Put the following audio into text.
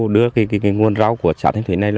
đưa cái nguồn rau của xã thanh thủy này